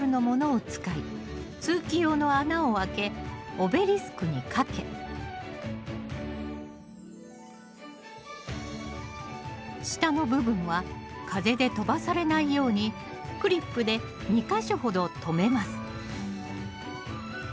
オベリスクにかけ下の部分は風で飛ばされないようにクリップで２か所ほどとめます